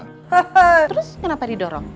he he terus kenapa didorong